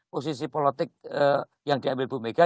posisi politik yang diambil ibu mega